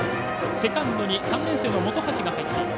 セカンドに３年生本橋が入っています。